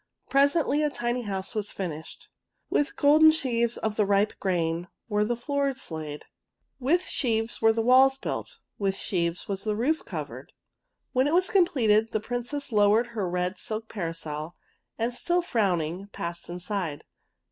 Presently a tiny house was finished. With golden sheaves of the ripe grain were the CORN FLOWER AND POPPY 165 floors laid. With sheaves were the walls built. With sheaves was the roof covered. When it was completed the Princess low ered her red silk parasol, and, still frowning, passed inside.